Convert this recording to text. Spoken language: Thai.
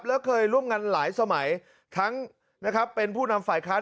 และเคยร่วมงานหลายสมัยทั้งนะครับเป็นผู้นำฝ่ายค้าน